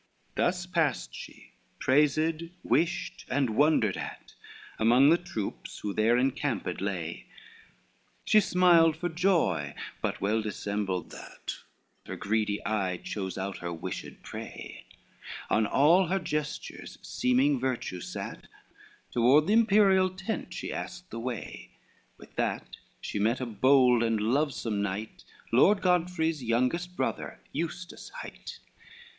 XXXIII Thus passed she, praised, wished, and wondered at, Among the troops who there encamped lay, She smiled for joy, but well dissembled that, Her greedy eye chose out her wished prey; On all her gestures seeming virtue sat, Toward the imperial tent she asked the way: With that she met a bold and lovesome knight, Lord Godfrey's youngest brother, Eustace hight.